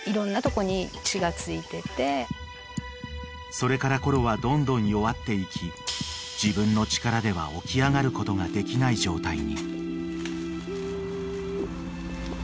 ［それからコロはどんどん弱っていき自分の力では起き上がることができない状態に］